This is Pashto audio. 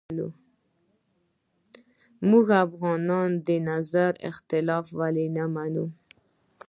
موږ افغانان د نظر اختلاف ولې نه منو